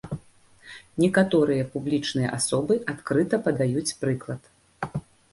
Некаторыя публічныя асобы адкрыта падаюць прыклад.